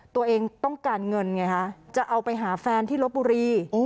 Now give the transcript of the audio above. ตัวเองต้องการเงินไงคะจะเอาไปหาแฟนที่ลบบุรี